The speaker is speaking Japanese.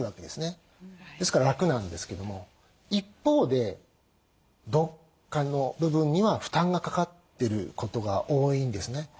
ですから楽なんですけども一方でどっかの部分には負担がかかってることが多いんですね。